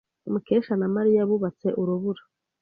Mukesha na Mariya bubatse urubura.